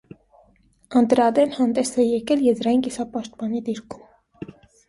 Անդրադեն հանդես է եկել եզրային կիսապաշտպանի դիրքում։